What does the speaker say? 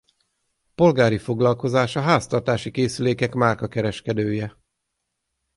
Polgári foglalkozása háztartási készülékek márka kereskedője.